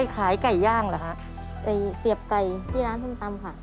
ไก่เสียบไก่ที่ร้านทุนตำค่ะ